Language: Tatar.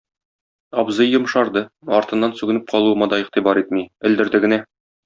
Абзый йомшарды, артыннан сүгенеп калуыма да игътибар итми, элдерде генә.